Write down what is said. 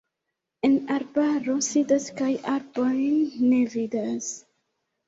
En arbaro sidas kaj arbojn ne vidas.